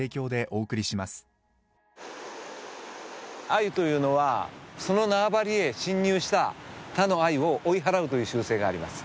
アユというのはその縄張りへ侵入した他のアユを追い払うという習性があります。